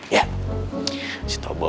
ya kasih tau boy